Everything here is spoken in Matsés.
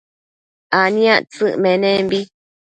aniactsëc menembi